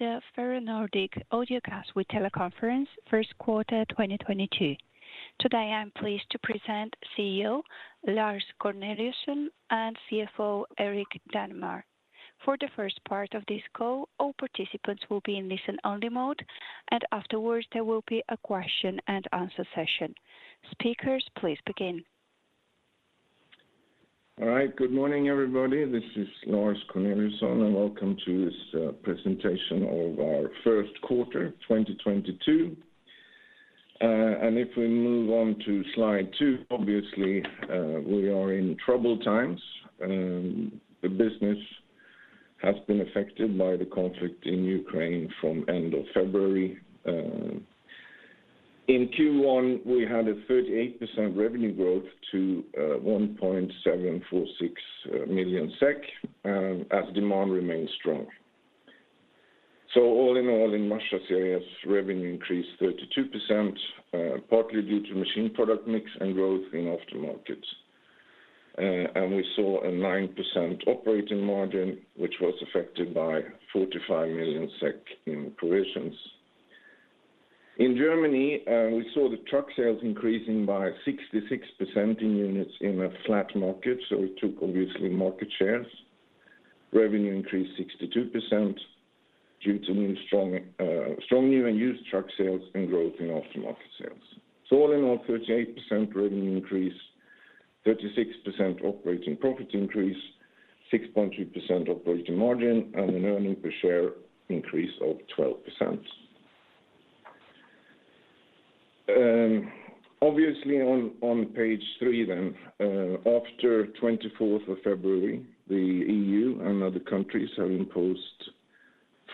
Welcome to the Ferronordic audiocast with teleconference Q1 2022. Today, I am pleased to present CEO Lars Corneliusson and CFO Erik Danemar. For the first part of this call, all participants will be in listen-only mode, and afterwards there will be a question and answer session. Speakers, please begin. All right. Good morning, everybody. This is Lars Corneliusson, and welcome to this presentation of our Q1, 2022. If we move on to slide two, obviously, we are in troubled times. The business has been affected by the conflict in Ukraine from end of February. In Q1, we had a 38% revenue growth to 1.746 million SEK, as demand remained strong. All in all, in Russia, CIS revenue increased 32%, partly due to machine product mix and growth in aftermarket. We saw a 9% operating margin, which was affected by 45 million SEK in provisions. In Germany, we saw the truck sales increasing by 66% in units in a flat market. We took obviously market shares. Revenue increased 62% due to strong new and used truck sales and growth in aftermarket sales. All in all, 38% revenue increase, 36% operating profit increase, 6.2% operating margin, and an earnings per share increase of 12%. Obviously on page three, after 24th of February, the EU and other countries have imposed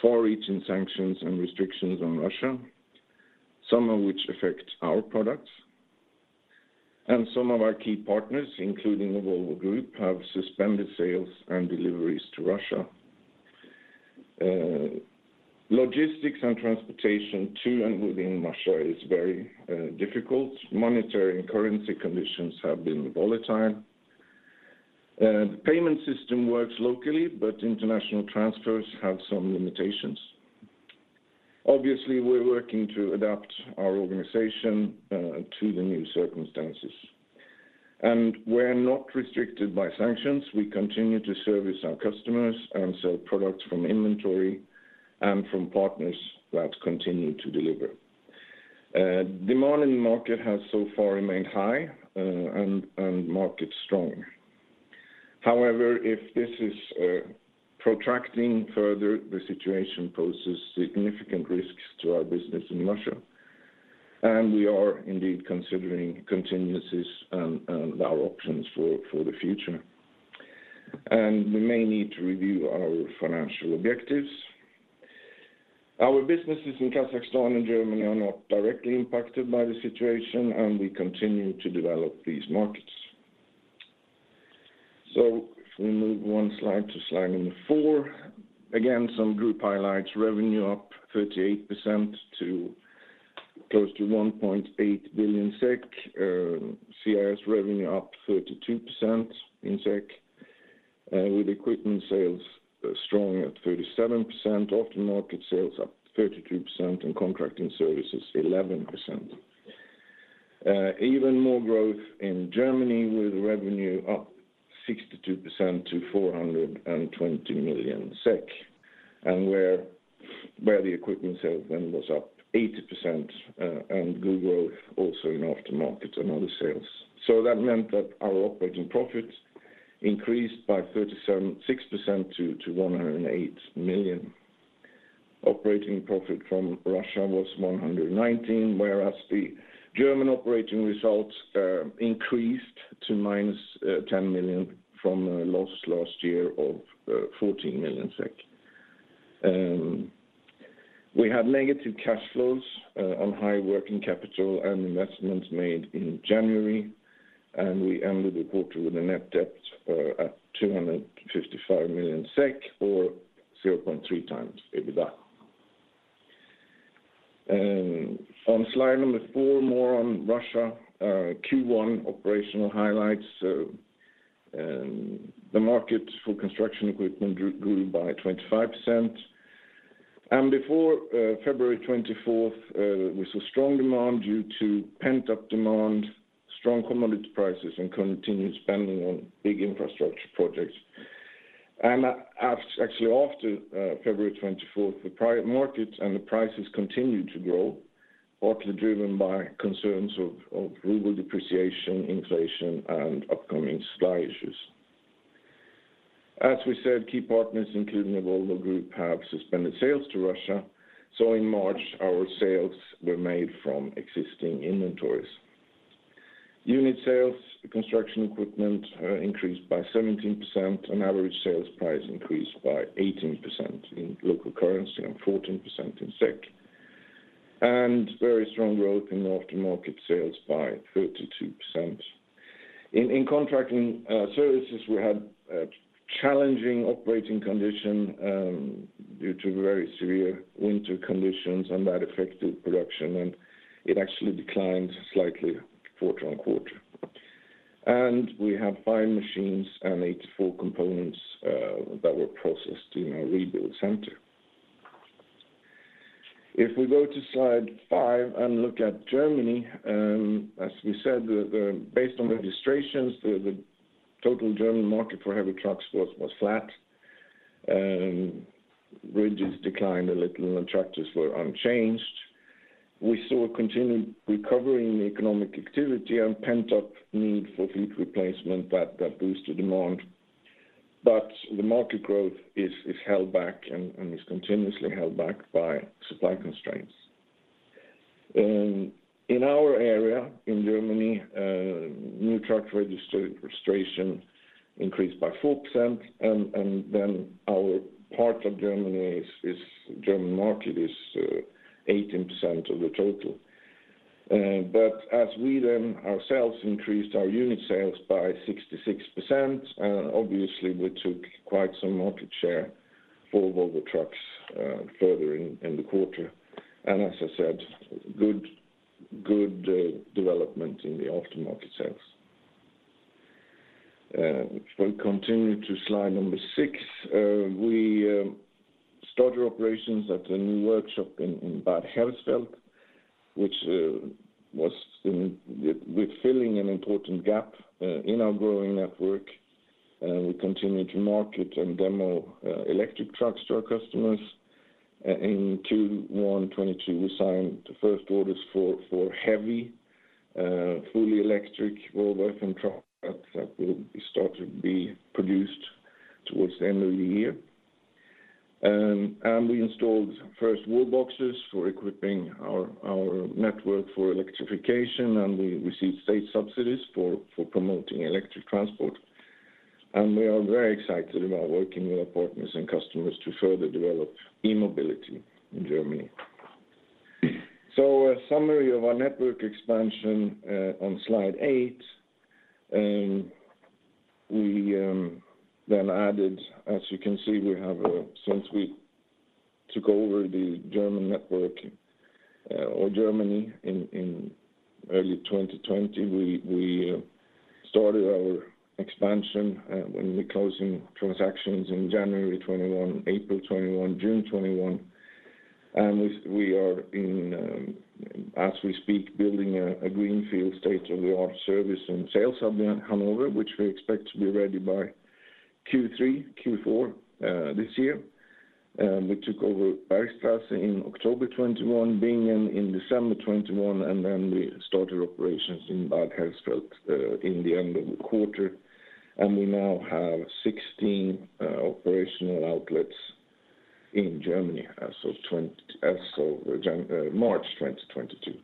far-reaching sanctions and restrictions on Russia, some of which affect our products. Some of our key partners, including the Volvo Group, have suspended sales and deliveries to Russia. Logistics and transportation to and within Russia is very difficult. Monetary and currency conditions have been volatile. Payment system works locally, but international transfers have some limitations. Obviously, we're working to adapt our organization to the new circumstances. We're not restricted by sanctions. We continue to service our customers and sell products from inventory and from partners that continue to deliver. Demand in the market has so far remained high, and market strong. However, if this is protracting further, the situation poses significant risks to our business in Russia, and we are indeed considering continuances and our options for the future. We may need to review our financial objectives. Our businesses in Kazakhstan and Germany are not directly impacted by the situation, and we continue to develop these markets. If we move one slide to slide number four, again, some group highlights revenue up 38% to close to 1.8 billion SEK. CIS revenue up 32% in SEK, with equipment sales strong at 37%, aftermarket sales up 32% and contracting services 11%. Even more growth in Germany with revenue up 62% to 420 million SEK. The equipment sales then was up 80%, and good growth also in aftermarket and other sales. That meant that our operating profits increased by 37.6% to 108 million. Operating profit from Russia was 119 million, whereas the German operating results increased to -10 million from a loss last year of 14 million SEK. We had negative cash flows on high working capital and investments made in January, and we ended the quarter with a net debt at 255 million SEK or 0.3x EBITDA. On slide four, more on Russia, Q1 operational highlights. The market for construction equipment grew by 25%. Before February 24th, we saw strong demand due to pent-up demand, strong commodity prices, and continued spending on big infrastructure projects. Actually after February 24th, the private markets and the prices continued to grow, partly driven by concerns of ruble depreciation, inflation, and upcoming supply issues. As we said, key partners, including the Volvo Group, have suspended sales to Russia, so in March, our sales were made from existing inventories. Unit sales, construction equipment, increased by 17%, and average sales price increased by 18% in local currency and 14% in SEK. Very strong growth in aftermarket sales by 32%. In contracting services, we had a challenging operating condition due to very severe winter conditions, and that affected production, and it actually declined slightly quarter-over-quarter. We have five machines and 84 components that were processed in our rebuild center. If we go to slide five and look at Germany, as we said, based on registrations, the total German market for heavy trucks was flat. Bridges declined a little and tractors were unchanged. We saw a continued recovery in economic activity and pent-up need for fleet replacement that boosted demand. The market growth is held back and is continuously held back by supply constraints. In our area in Germany, new truck registration increased by 4%, and then our part of Germany is German market is 18% of the total. We then ourselves increased our unit sales by 66%, and obviously we took quite some market share for Volvo Trucks, further in the quarter. As I said, good development in the aftermarket sales. If we continue to slide number six, we started operations at a new workshop in Bad Hersfeld, which we're filling an important gap in our growing network. We continue to market and demo electric trucks to our customers. In 2022, we signed the first orders for heavy fully electric Volvo truck that will start to be produced towards the end of the year. We installed first wallboxes for equipping our network for electrification, and we received state subsidies for promoting electric transport. We are very excited about working with our partners and customers to further develop e-mobility in Germany. A summary of our network expansion on slide eight. We added, as you can see, we have since we took over the German network or Germany in early 2020, we started our expansion when we closing transactions in January 2021, April 2021, June 2021. We are as we speak building a greenfield state-of-the-art service and sales hub in Hanover, which we expect to be ready by Q3, Q4 this year. We took over Bergstraße in October 2021, Bingen in December 2021, and then we started operations in Bad Hersfeld in the end of the quarter. We now have 16 operational outlets in Germany as of March 2022.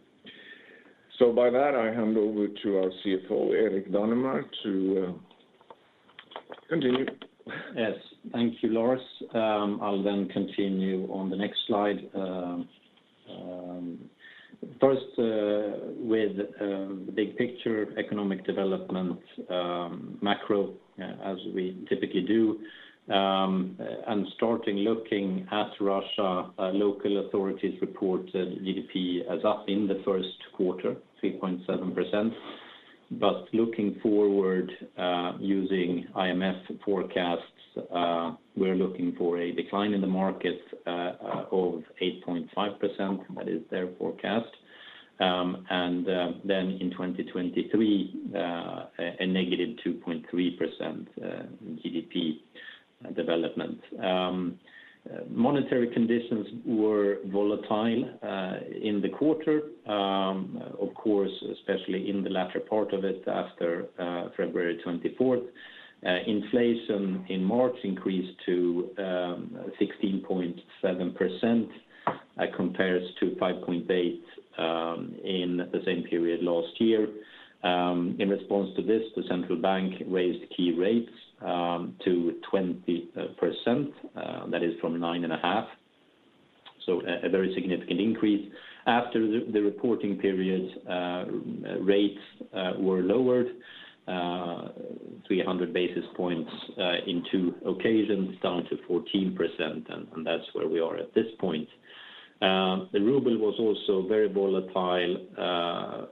By that, I hand over to our CFO, Erik Danemar, to continue. Yes. Thank you, Lars. I'll then continue on the next slide. First, with the big picture economic development, macro, as we typically do. Starting looking at Russia, local authorities reported GDP as up in the Q1, 3.7%. Looking forward, using IMF forecasts, we're looking for a decline in the market of 8.5%. That is their forecast. In 2023, a negative 2.3% GDP development. Monetary conditions were volatile in the quarter, of course, especially in the latter part of it after February 24th. Inflation in March increased to 16.7%. That compares to 5.8% in the same period last year. In response to this, the central bank raised key rates to 20%, that is from 9.5. A very significant increase. After the reporting period, rates were lowered 300 basis points in two occasions, down to 14%. That's where we are at this point. The ruble was also very volatile,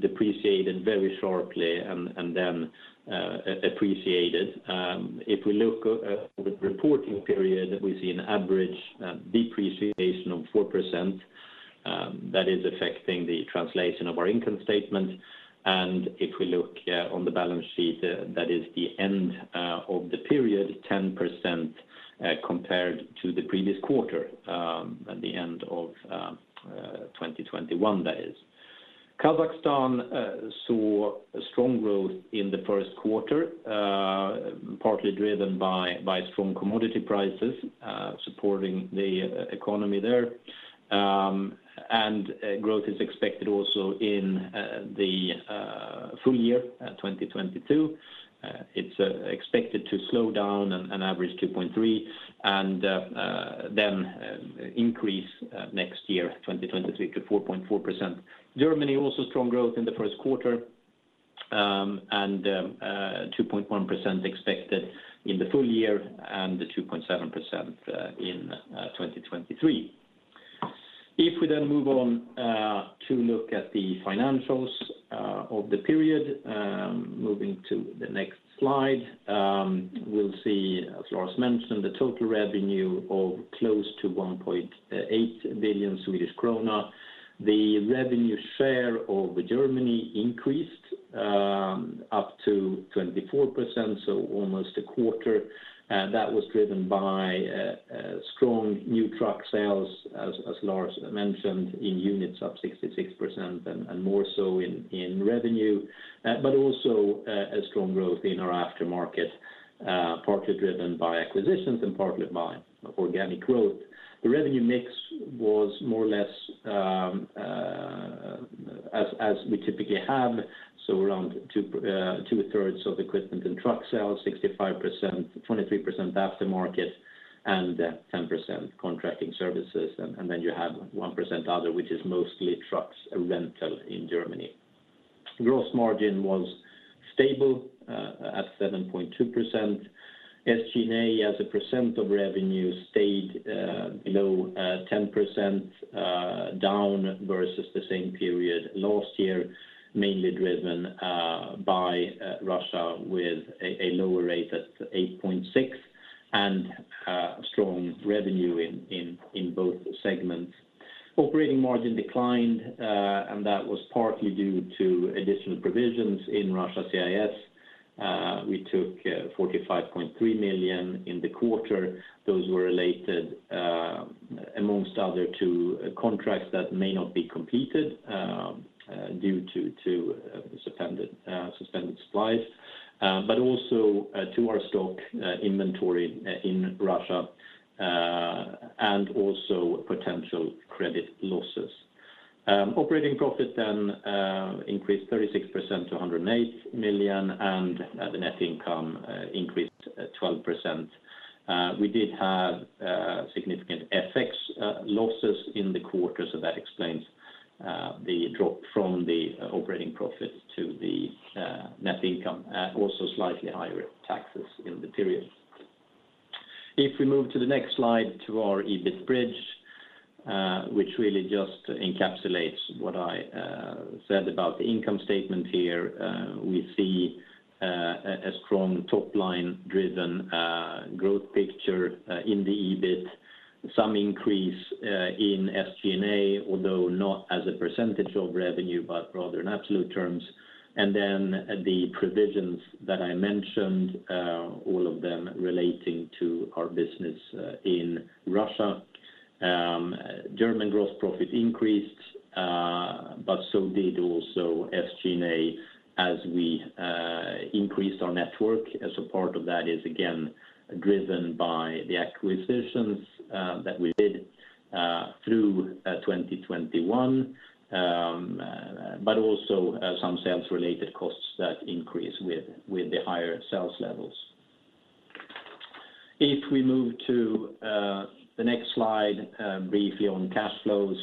depreciated very sharply and then appreciated. If we look at the reporting period, we see an average depreciation of 4%, that is affecting the translation of our income statement. If we look on the balance sheet, that is the end of the period, 10% compared to the previous quarter, at the end of 2021, that is. Kazakhstan saw a strong growth in the Q1, partly driven by strong commodity prices supporting the economy there. Growth is expected also in the full year 2022. It's expected to slow down to an average 2.3%, and then increase next year, 2023 to 4.4%. Germany also strong growth in the Q1, and 2.1% expected in the full year and the 2.7% in 2023. If we then move on to look at the financials of the period, moving to the next slide, we'll see, as Lars mentioned, the total revenue of close to 1.8 billion Swedish krona. The revenue share of Germany increased up to 24%, so almost a quarter. That was driven by strong new truck sales, as Lars mentioned, in units up 66% and more so in revenue, but also a strong growth in our aftermarket, partly driven by acquisitions and partly by organic growth. The revenue mix was more or less as we typically have, so around two-thirds of equipment and truck sales, 65%, 23% aftermarket, and 10% contracting services. Then you have 1% other, which is mostly truck rental in Germany. Gross margin was stable at 7.2%. SG&A, as a percent of revenue, stayed below 10%, down versus the same period last year, mainly driven by Russia with a lower rate at 8.6% and strong revenue in both segments. Operating margin declined, and that was partly due to additional provisions in Russia CIS. We took 45.3 million in the quarter. Those were related, amongst other to contracts that may not be completed due to suspended supplies, but also to our stock inventory in Russia, and also potential credit losses. Operating profit then increased 36% to 108 million, and the net income increased 12%. We did have significant FX losses in the quarter, so that explains the drop from the operating profit to the net income, also slightly higher taxes in the period. If we move to the next slide to our EBIT bridge, which really just encapsulates what I said about the income statement here, we see a strong top-line driven growth picture in the EBIT. Some increase in SG&A, although not as a percentage of revenue, but rather in absolute terms. Then the provisions that I mentioned, all of them relating to our business in Russia. German gross profit increased, but so did also SG&A as we increased our network. As a part of that is again driven by the acquisitions that we did through 2021, but also some sales-related costs that increased with the higher sales levels. If we move to the next slide, briefly on cash flows,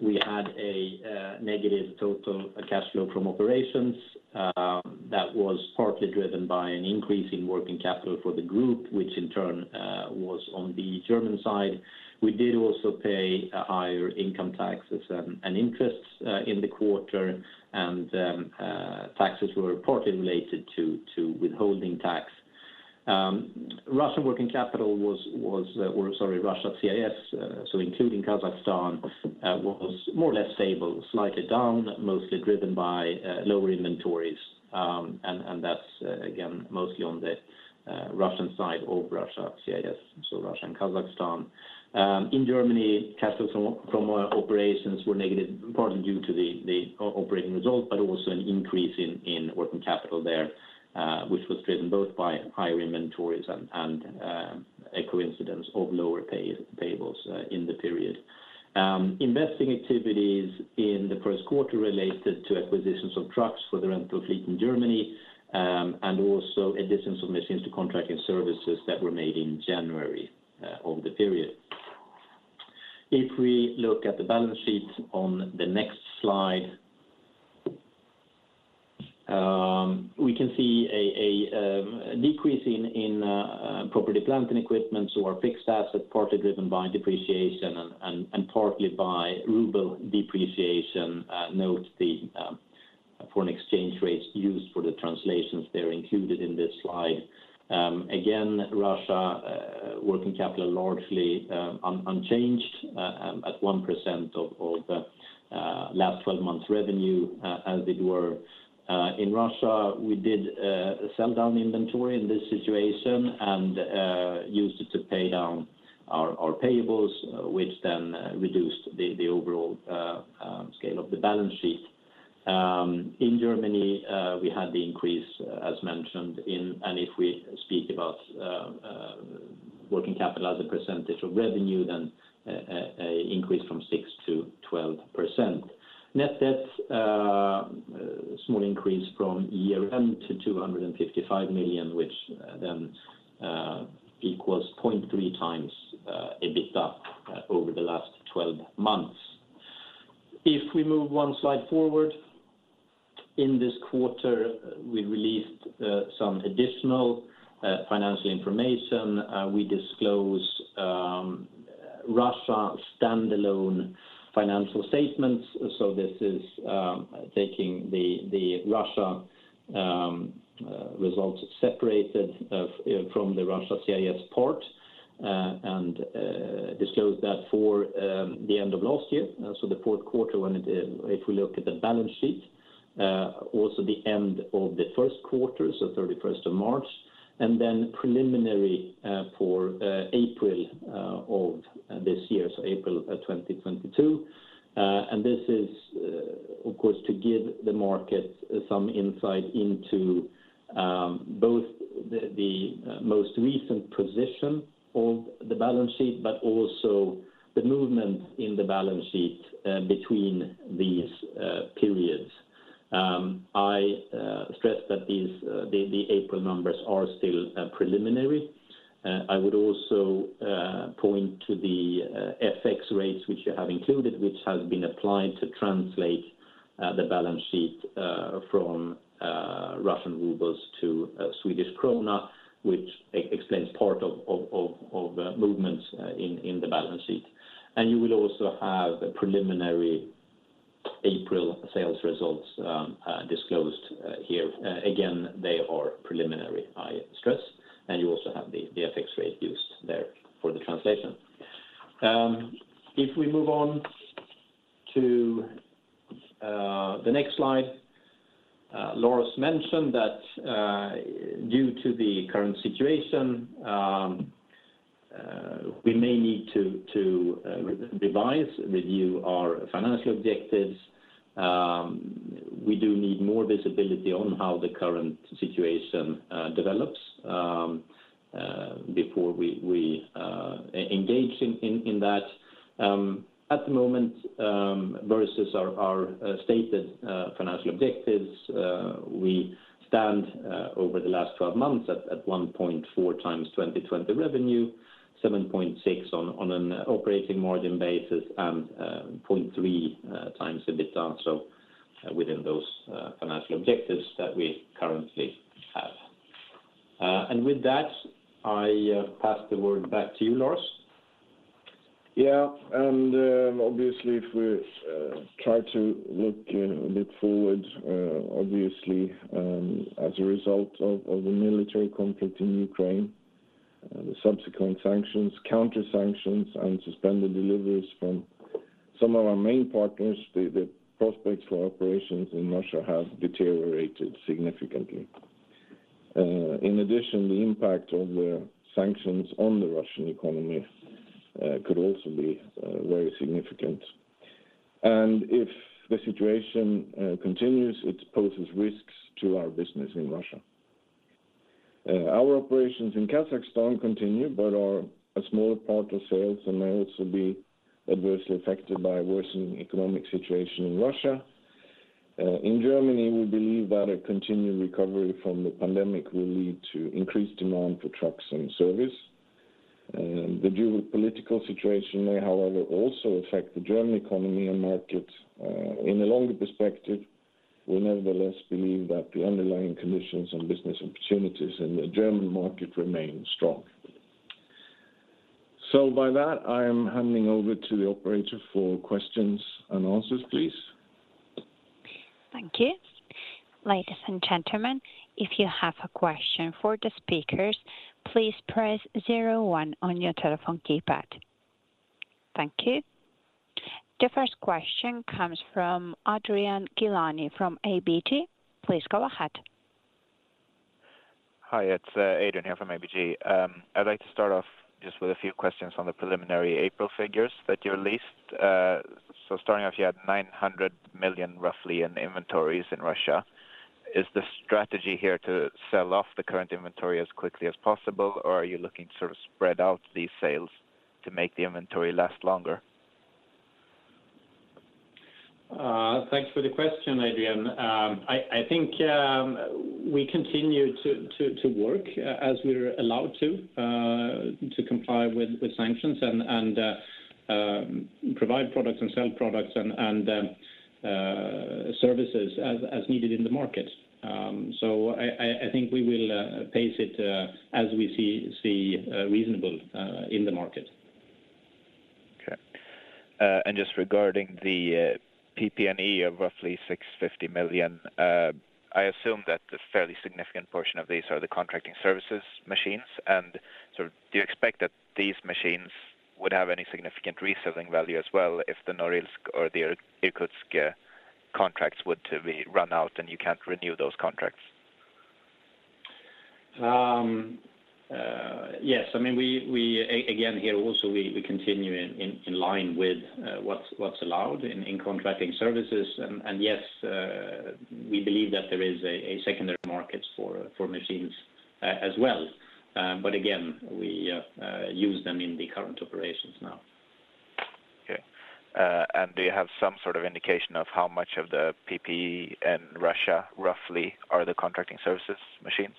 we had a negative total cash flow from operations that was partly driven by an increase in working capital for the group, which in turn was on the German side. We did also pay higher income taxes and interests in the quarter, and taxes were partly related to withholding tax. Russian working capital was. Sorry, Russia CIS, including Kazakhstan, was more or less stable, slightly down, mostly driven by lower inventories, and that's again mostly on the Russian side of Russia CIS, so Russia and Kazakhstan. In Germany, cash flows from operations were negative partly due to the operating results, but also an increase in working capital there, which was driven both by higher inventories and a coincidence of lower payables in the period. Investing activities in the Q1 related to acquisitions of trucks for the rental fleet in Germany, and also additions of machines to contracting services that were made in January of the period. If we look at the balance sheet on the next slide, we can see a decrease in property, plant, and equipment, so our fixed asset, partly driven by depreciation and partly by ruble depreciation. Note the foreign exchange rates used for the translations there included in this slide. Again, Russia's working capital largely unchanged at 1% of last 12 months revenue, as they were. In Russia, we did sell down inventory in this situation and used it to pay down our payables, which then reduced the overall scale of the balance sheet. In Germany, we had the increase as mentioned in. If we speak about working capital as a percentage of revenue, then an increase from 6%-12%. Net debt a small increase from year-end to 255 million, which then equals 0.3x EBITDA over the last 12 months. If we move one slide forward. In this quarter, we released some additional financial information. We disclose Russia standalone financial statements. This is taking the Russia results separated from the Russia CIS part and disclose that for the end of last year. The Q4. If we look at the balance sheet, also the end of the Q1 so 31st of March, and then preliminary for April of this year. April 2022. This is, of course, to give the market some insight into both the most recent position of the balance sheet, but also the movement in the balance sheet between these periods. I stress that these April numbers are still preliminary. I would also point to the FX rates which you have included, which has been applied to translate the balance sheet from Russian rubles to Swedish Krona, which explains part of movements in the balance sheet. You will also have a preliminary April sales results disclosed here. Again, they are preliminary, I stress, and you also have the FX rate used there for the translation. If we move on to the next slide, Lars mentioned that due to the current situation, we may need to revise, review our financial objectives. We do need more visibility on how the current situation develops before we engage in that. At the moment, versus our stated financial objectives, we stand over the last 12 months at 1.4x 2020 revenue, 7.6 on an operating margin basis and 0.3x EBITDA. Within those financial objectives that we currently have. With that, I pass the word back to you, Lars. Yeah. Obviously, if we try to look forward, obviously, as a result of the military conflict in Ukraine, the subsequent sanctions, counter-sanctions and suspended deliveries from some of our main partners, the prospects for operations in Russia have deteriorated significantly. In addition, the impact of the sanctions on the Russian economy could also be very significant. If the situation continues, it poses risks to our business in Russia. Our operations in Kazakhstan continue, but are a smaller part of sales and may also be adversely affected by worsening economic situation in Russia. In Germany, we believe that a continued recovery from the pandemic will lead to increased demand for trucks and service. The geopolitical situation may, however, also affect the German economy and markets. In a longer perspective, we nevertheless believe that the underlying conditions and business opportunities in the German market remain strong. By that, I am handing over to the operator for questions and answers, please. Thank you. Ladies and gentlemen, if you have a question for the speakers, please press zero one on your telephone keypad. Thank you. The first question comes from Adrian Gilani from ABG. Please go ahead. Hi, it's Adrian here from ABG. I'd like to start off just with a few questions on the preliminary April figures that you released. Starting off, you had 900 million roughly in inventories in Russia. Is the strategy here to sell off the current inventory as quickly as possible, or are you looking to sort of spread out these sales to make the inventory last longer? Thanks for the question, Adrian. I think we continue to work as we're allowed to comply with sanctions and provide products and sell products and services as needed in the market. I think we will pace it as we see reasonable in the market. Just re garding the PP&E of roughly 650 million, I assume that a fairly significant portion of these are the contracting services machines. Do you expect that these machines would have any significant reselling value as well if the Norilsk or the Irkutsk contracts were to be run out and you can't renew those contracts? Yes. I mean, we again here also we continue in line with what's allowed in contracting services. Yes, we believe that there is a secondary market for machines as well. Again, we use them in the current operations now. Okay. Do you have some sort of indication of how much of the PP&E in Russia roughly are the contracting services machines?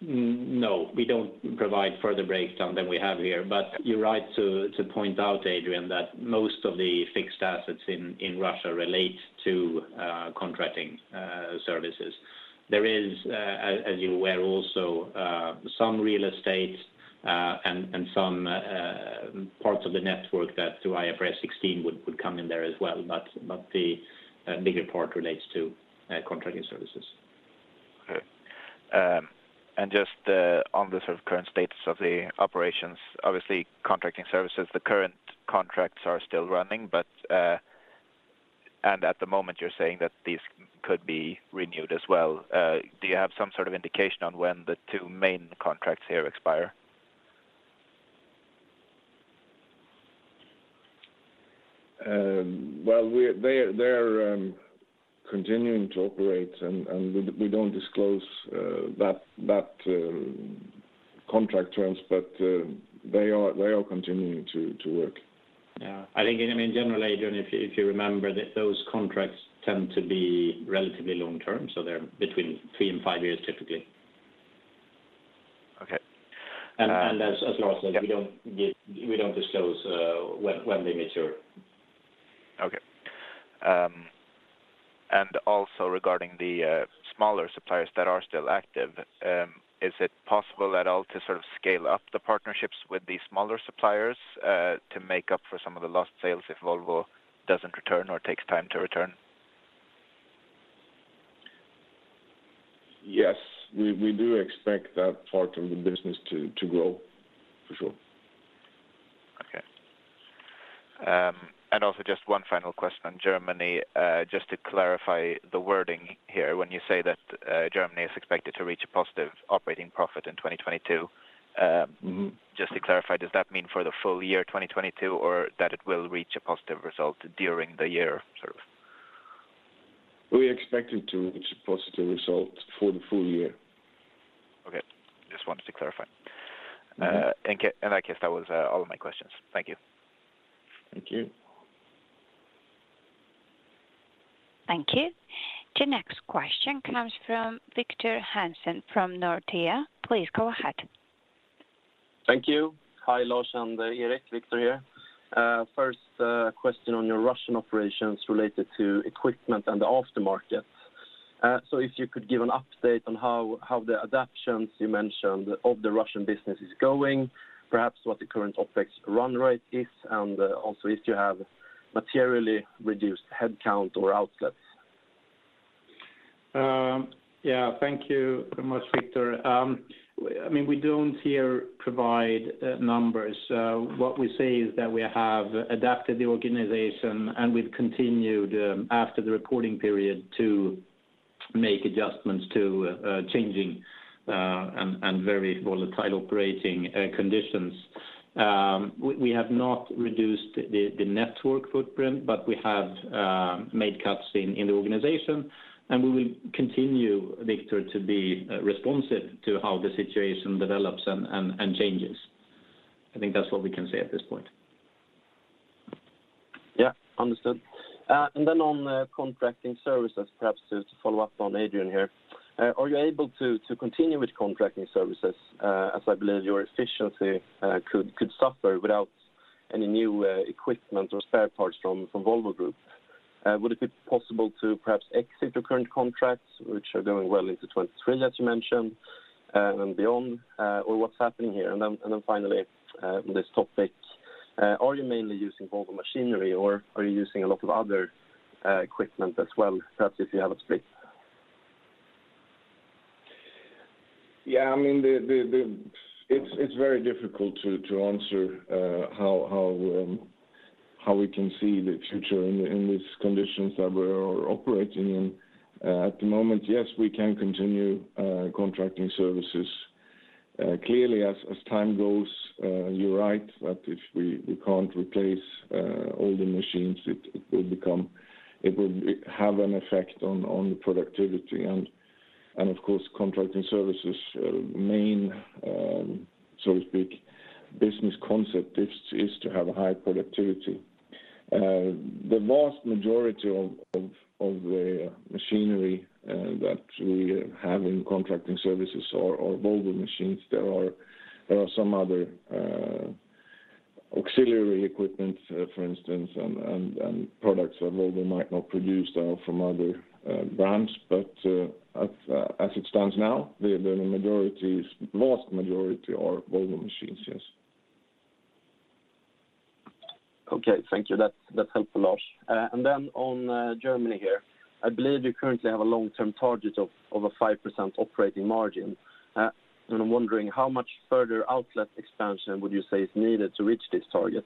No, we don't provide further breakdown than we have here. You're right to point out, Adrian, that most of the fixed assets in Russia relate to contracting services. There is, as you're aware, also some real estate and some parts of the network that through IFRS 16 would come in there as well, but the bigger part relates to contracting services. Okay. Just on the sort of current status of the operations, obviously contracting services, the current contracts are still running, but at the moment you're saying that these could be renewed as well. Do you have some sort of indication on when the two main contracts here expire? Well, they're continuing to operate and we don't disclose that contract terms, but they are continuing to work. Yeah. I think, I mean, generally, Adrian, if you, if you remember, those contracts tend to be relatively long-term, so they're between three and five years typically. Okay. As Lars said. Yep We don't give, we don't disclose when they mature. Okay. Also regarding the smaller suppliers that are still active, is it possible at all to sort of scale up the partnerships with these smaller suppliers to make up for some of the lost sales if Volvo doesn't return or takes time to return? Yes. We do expect that part of the business to grow, for sure. Okay. Just one final question on Germany, just to clarify the wording here. When you say that, Germany is expected to reach a positive operating profit in 2022. Mm-hmm Just to clarify, does that mean for the full year 2022, or that it will reach a positive result during the year sort of? We expect it to reach a positive result for the full year. Okay. Just wanted to clarify. Mm-hmm. In that case, that was all of my questions. Thank you. Thank you. Thank you. The next question comes from Victor Hansen from Nordea. Please go ahead. Thank you. Hi, Lars and Erik. Victor here. First question on your Russian operations related to equipment and the aftermarket. If you could give an update on how the adaptations you mentioned of the Russian business is going, perhaps what the current OpEx run rate is, and also if you have materially reduced headcount or outlets. Yeah. Thank you very much, Victor. I mean, we don't here provide numbers. What we say is that we have adapted the organization, and we've continued, after the reporting period to make adjustments to changing and very volatile operating conditions. We have not reduced the network footprint, but we have made cuts in the organization, and we will continue, Victor, to be responsive to how the situation develops and changes. I think that's what we can say at this point. Yeah. Understood. On contracting services, perhaps to follow up on Adrian here, are you able to continue with contracting services? As I believe your efficiency could suffer without any new equipment or spare parts from Volvo Group. Would it be possible to perhaps exit your current contracts, which are going well into 2023, as you mentioned, and beyond, or what's happening here? Finally, on this topic, are you mainly using Volvo machinery, or are you using a lot of other equipment as well, perhaps if you have a split? Yeah. I mean, it's very difficult to answer how we can see the future in these conditions that we are operating in. At the moment, yes, we can continue contracting services. Clearly as time goes, you're right that if we can't replace all the machines, it will have an effect on the productivity. Of course, contracting services main, so to speak, business concept is to have a high productivity. The vast majority of the machinery that we have in contracting services are Volvo machines. There are some other auxiliary equipment, for instance, and products that Volvo might not produce that are from other brands. As it stands now, the vast majority are Volvo machines, yes. Okay. Thank you. That's helpful, Lars. On Germany here, I believe you currently have a long-term target of a 5% operating margin. I'm wondering how much further outlet expansion would you say is needed to reach this target?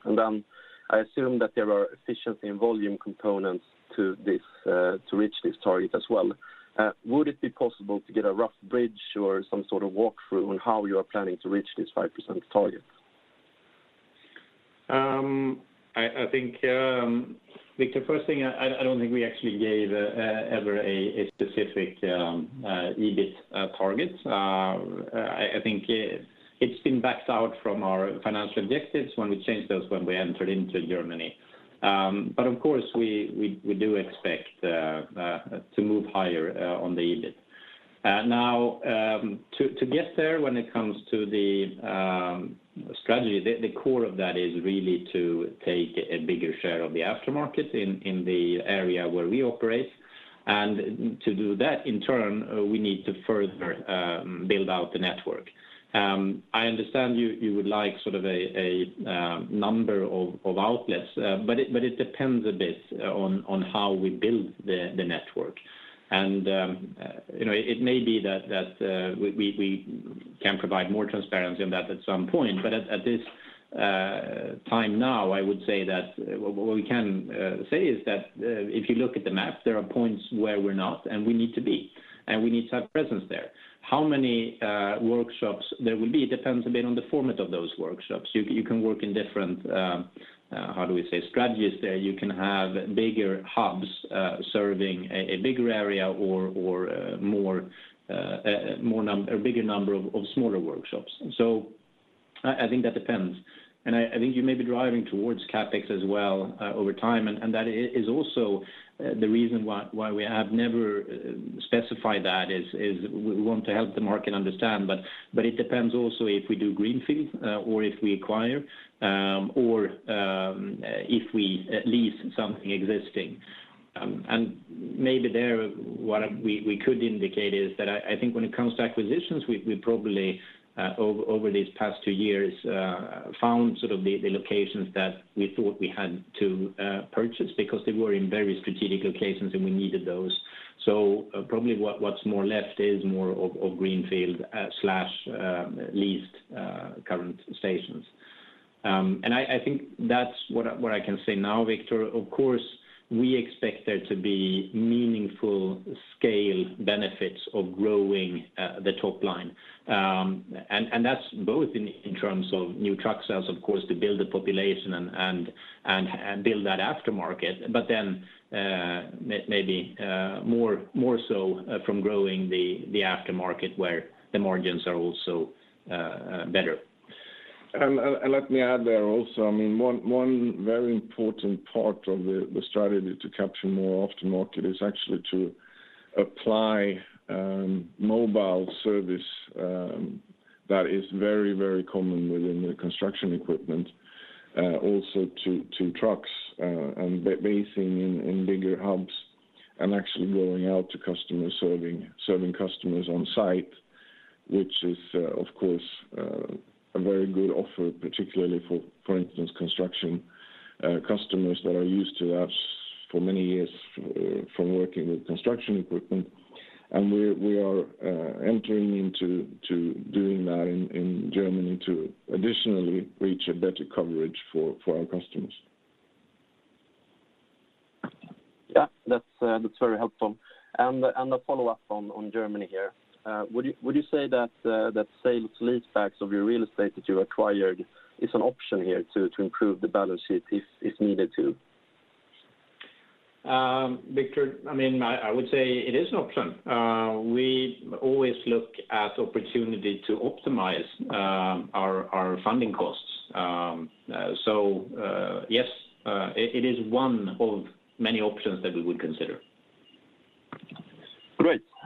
I assume that there are efficiency and volume components to this to reach this target as well. Would it be possible to get a rough bridge or some sort of walkthrough on how you are planning to reach this 5% target? I think, Victor, first thing, I don't think we actually gave ever a specific EBIT target. I think it's been backed out from our financial objectives when we changed those when we entered into Germany. But of course we do expect to move higher on the EBIT. Now, to get there when it comes to the strategy, the core of that is really to take a bigger share of the aftermarket in the area where we operate. To do that, in turn, we need to further build out the network. I understand you would like sort of a number of outlets. It depends a bit on how we build the network. You know, it may be that we can provide more transparency on that at some point. At this time now, I would say that what we can say is that if you look at the map, there are points where we're not, and we need to be, and we need to have presence there. How many workshops there will be depends a bit on the format of those workshops. You can work in different, how do we say, strategies there. You can have bigger hubs serving a bigger area or a bigger number of smaller workshops. I think that depends. I think you may be driving towards CapEx as well, over time, and that is also the reason why we have never specified that, is we want to help the market understand. It depends also if we do greenfield or if we acquire or if we lease something existing. Maybe there what we could indicate is that I think when it comes to acquisitions, we probably over these past two years found sort of the locations that we thought we had to purchase because they were in very strategic locations, and we needed those. Probably what's more left is more of greenfield slash leased current stations. I think that's what I can say now, Victor. Of course, we expect there to be meaningful scale benefits of growing the top line. That's both in terms of new truck sales, of course, to build the population and build that aftermarket. Maybe more so from growing the aftermarket where the margins are also better. Let me add there also. I mean, one very important part of the strategy to capture more aftermarket is actually to apply mobile service that is very, very common within the construction equipment also to trucks and basing in bigger hubs and actually going out to customers, serving customers on site, which is of course a very good offer, particularly for instance construction customers that are used to us for many years from working with construction equipment. We are entering into doing that in Germany to additionally reach a better coverage for our customers. Yeah. That's very helpful. A follow-up on Germany here. Would you say that sale-leasebacks of your real estate that you acquired is an option here to improve the balance sheet if needed to? Victor, I mean, I would say it is an option. We always look at opportunity to optimize our funding costs. Yes, it is one of many options that we would consider.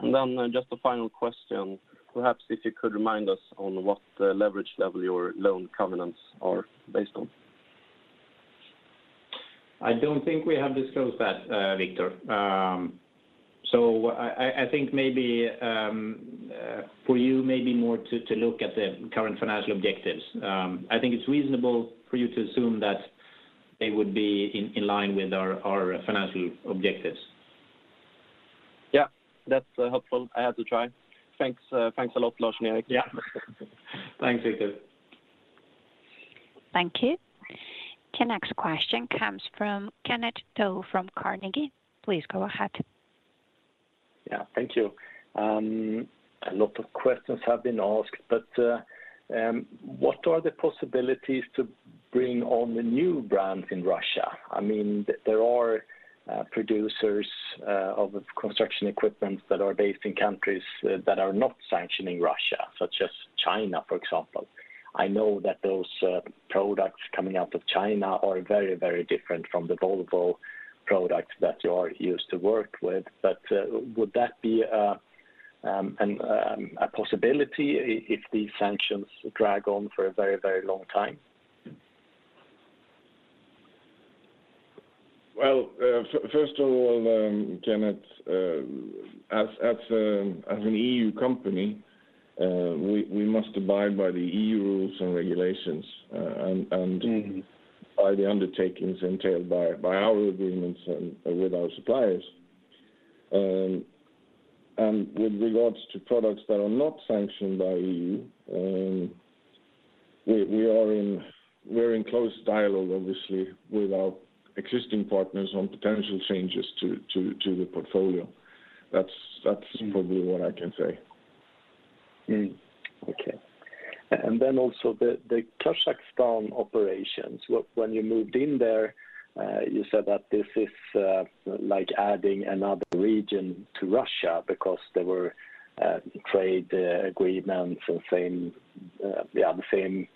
Great. Just a final question. Perhaps if you could remind us on what the leverage level your loan covenants are based on? I don't think we have disclosed that, Victor. I think maybe for you, maybe more to look at the current financial objectives. I think it's reasonable for you to assume that they would be in line with our financial objectives. Yeah. That's helpful. I had to try. Thanks a lot, Lars and Erik. Yeah. Thanks, Victor. Thank you. The next question comes from Kenneth Toll Johansson from Carnegie. Please go ahead. Yeah. Thank you. A lot of questions have been asked, but what are the possibilities to bring on the new brands in Russia? I mean, there are producers of construction equipment that are based in countries that are not sanctioning Russia, such as China, for example. I know that those products coming out of China are very, very different from the Volvo products that you are used to work with. Would that be a possibility if these sanctions drag on for a very, very long time? Well, first of all, Kenneth, as an EU company, we must abide by the EU rules and regulations, and Mm-hmm By the undertakings entailed by our agreements and with our suppliers. With regards to products that are not sanctioned by EU, we're in close dialogue, obviously, with our existing partners on potential changes to the portfolio. That's probably what I can say. The Kazakhstan operations, when you moved in there, you said that this is like adding another region to Russia because there were trade agreements and same yeah the same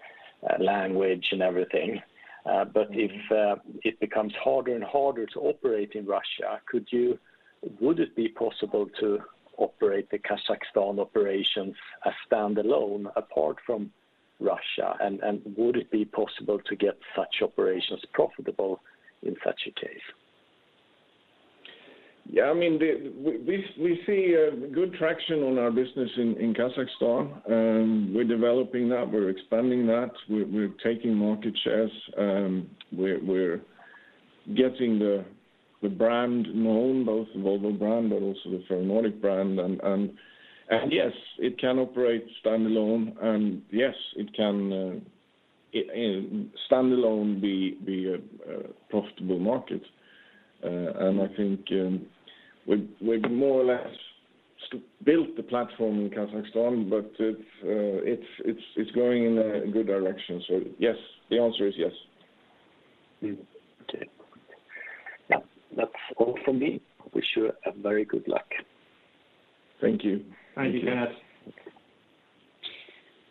language and everything. But if it becomes harder and harder to operate in Russia, would it be possible to operate the Kazakhstan operations a standalone apart from Russia? And would it be possible to get such operations profitable in such a case? Yeah. I mean, we see a good traction on our business in Kazakhstan. We're developing that, we're expanding that. We're taking market shares, we're getting the brand known, both the Volvo brand but also the Ferronordic brand. Yes, it can operate standalone and yes, it can standalone be a profitable market. I think we've more or less built the platform in Kazakhstan, but it's going in a good direction. Yes, the answer is yes. Okay. That's all for me. Wish you very good luck. Thank you. Thank you, Kenneth.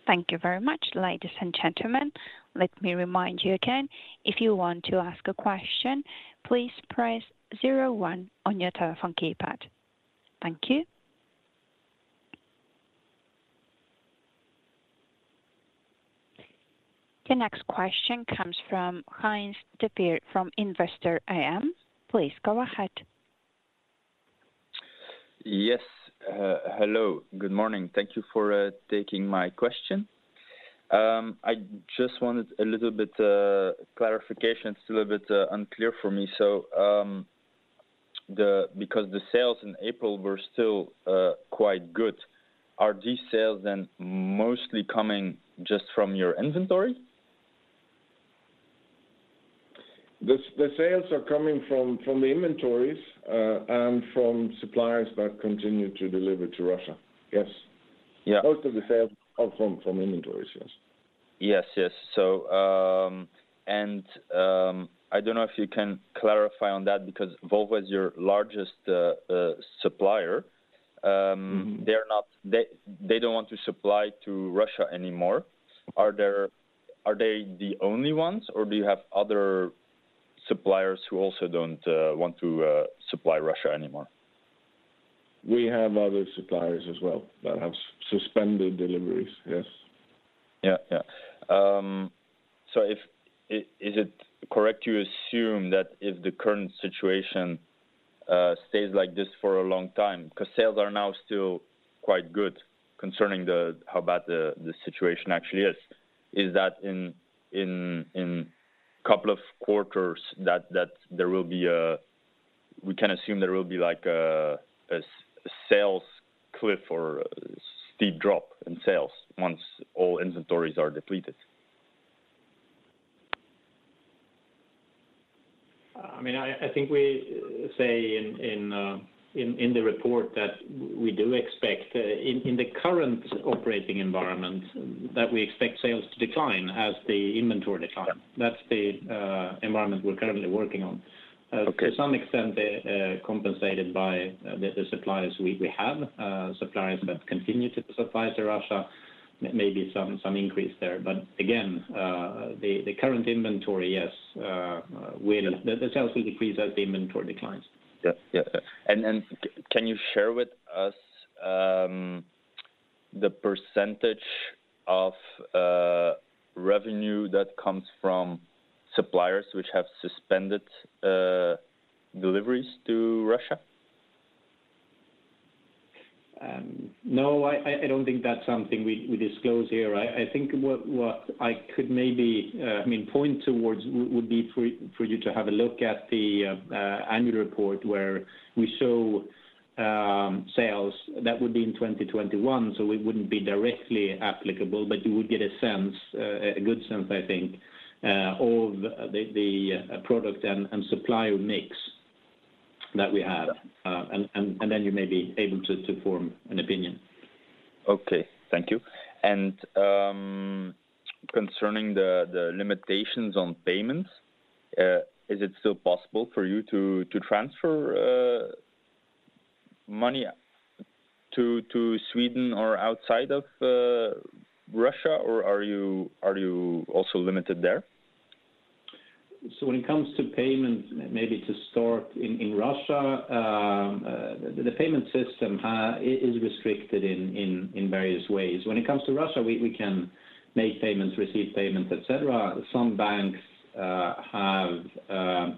Thank you very much, ladies and gentlemen. Let me remind you again, if you want to ask a question, please press zero one on your telephone keypad. Thank you. The next question comes from Heinz Depier from Investor AM. Please go ahead. Yes. Hello. Good morning. Thank you for taking my question. I just wanted a little bit clarification. It's a little bit unclear for me. Because the sales in April were still quite good. Are these sales then mostly coming just from your inventory? The sales are coming from the inventories and from suppliers that continue to deliver to Russia. Yes. Yeah. Most of the sales are from inventories, yes. Yes. I don't know if you can clarify on that because Volvo is your largest supplier. Mm-hmm. They don't want to supply to Russia anymore. Are they the only ones or do you have other suppliers who also don't want to supply Russia anymore? We have other suppliers as well that have suspended deliveries. Yes. Is it correct to assume that if the current situation stays like this for a long time, 'cause sales are now still quite good concerning how bad the situation actually is? Is it in a couple of quarters that we can assume there will be like a sales cliff or steep drop in sales once all inventories are depleted? I mean, I think we say in the report that we do expect, in the current operating environment, sales to decline as the inventory decline. That's the environment we're currently working on. Okay. To some extent they're compensated by the suppliers we have, suppliers that continue to supply to Russia. Maybe some increase there. Again, the current inventory, yes, will. Yeah. The sales will decrease as the inventory declines. Can you share with us the percentage of revenue that comes from suppliers which have suspended deliveries to Russia? No, I don't think that's something we disclose here. I think what I could maybe, I mean, point towards would be for you to have a look at the annual report where we show sales that would be in 2021, so it wouldn't be directly applicable, but you would get a sense, a good sense I think, of the product and supplier mix that we have. You may be able to form an opinion. Okay. Thank you. Concerning the limitations on payments, is it still possible for you to transfer money to Sweden or outside of Russia, or are you also limited there? When it comes to payments, maybe to start in Russia. The payment system is restricted in various ways. When it comes to Russia, we can make payments, receive payments, et cetera. Some banks have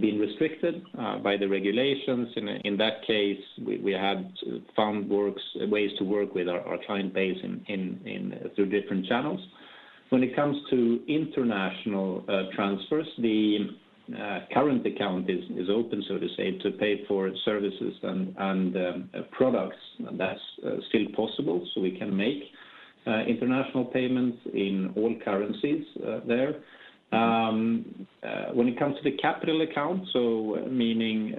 been restricted by the regulations. In that case, we had found ways to work with our client base through different channels. When it comes to international transfers, the current account is open, so to say, to pay for services and products. That's still possible, so we can make international payments in all currencies there. When it comes to the capital account, so meaning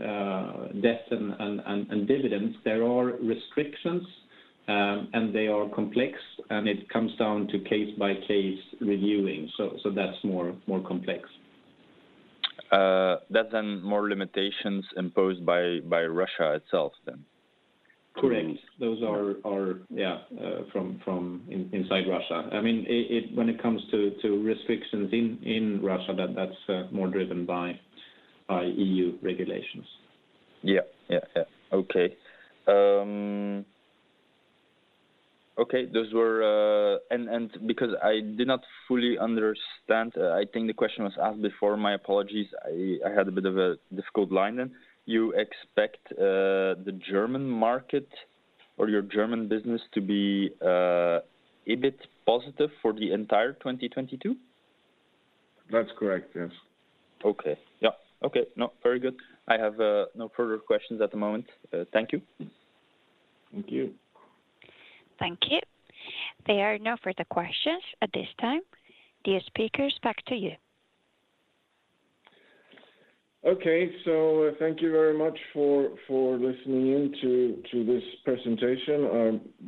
debt and dividends, there are restrictions, and they are complex, and it comes down to case by case reviewing. That's more complex. That's then more limitations imposed by Russia itself then? Correct. Mm-hmm. Those are from inside Russia. I mean, when it comes to restrictions in Russia, that's more driven by EU regulations. Because I did not fully understand, I think the question was asked before, my apologies. I had a bit of a difficult line then. You expect the German market or your German business to be a bit positive for the entire 2022? That's correct, yes. Okay. Yeah. Okay. No, very good. I have no further questions at the moment. Thank you. Thank you. Thank you. There are no further questions at this time. Dear speakers, back to you. Okay. Thank you very much for listening in to this presentation.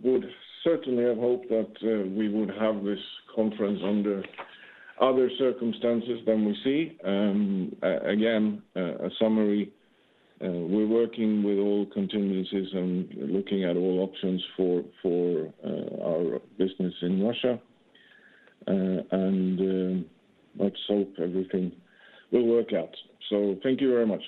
I would certainly have hoped that we would have this conference under other circumstances than we see. Again, we're working with all contingencies and looking at all options for our business in Russia. Let's hope everything will work out. Thank you very much.